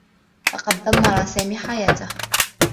لقد دمّر سامي حياته.